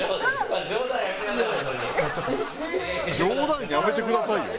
「“冗談やめてくださいよ”？」